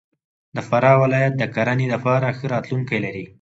د فراه ولایت د کرهنې دپاره ښه راتلونکی لري.